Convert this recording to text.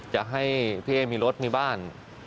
จะให้พี่เอ๊มีรถมีบ้าน